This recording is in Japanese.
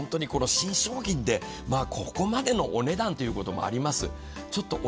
新商品でここまでのお値段ということもあります。